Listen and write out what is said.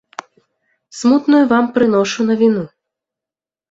Смутную вам прыношу навіну.